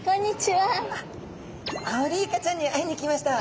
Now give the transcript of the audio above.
アオリイカちゃんに会いに来ました！